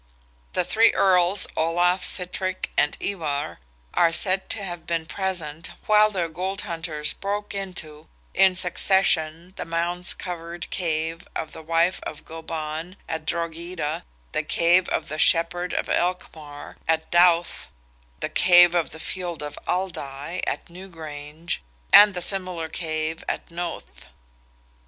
The three Earls, Olaf, Sitrick, and Ivar, are said to have been present, while their gold hunters broke into in succession the mound covered cave of the wife of Goban, at Drogheda, the cave of "the Shepherd of Elcmar," at Dowth, the cave of the field of Aldai, at New Grange, and the similar cave at Knowth.